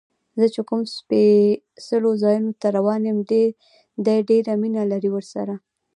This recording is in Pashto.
زه چې کوم سپېڅلو ځایونو ته روان یم، دې ډېر مینه لري ورسره.